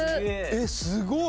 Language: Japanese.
えっすごい！